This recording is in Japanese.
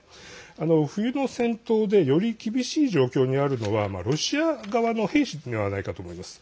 冬の戦闘でより厳しい状況にあるのはロシア側の兵士ではないかと思います。